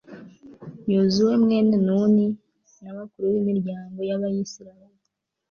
yozuwe mwene nuni, n'abakuru b'imiryango y'abayisraheli